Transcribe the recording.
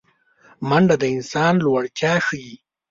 منډه د انسان لوړتیا ښيي